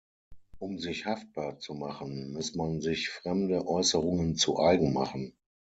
Um sich haftbar zu machen, muss man sich fremde Äußerungen "zu Eigen machen".